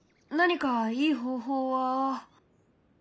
何かいい方法は。